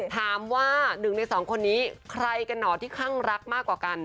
ถามว่าหนึ่งในสองคนนี้ใครกันหนอที่คั่งรักมากกว่ากัน